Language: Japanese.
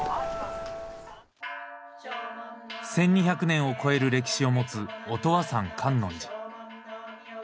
１，２００年を超える歴史を持つ音羽山観音寺。